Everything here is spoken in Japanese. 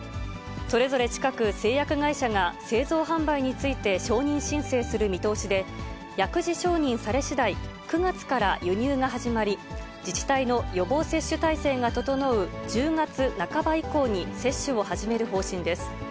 それぞれ近く、製薬会社が製造販売について承認申請する見通しで、薬事承認されしだい、９月から輸入が始まり、自治体の予防接種体制が整う１０月半ば以降に接種を始める方針です。